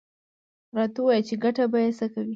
_راته ووايه چې ګټه به يې څه وي؟